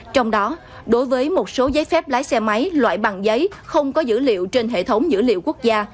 trong đó đối với một số giấy phép lái xe máy loại bằng giấy không có dữ liệu trên hệ thống dữ liệu quốc gia